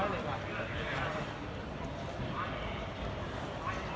อันที่สุดท้ายก็คือภาษาอันที่สุดท้าย